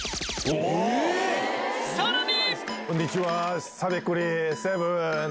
さらに。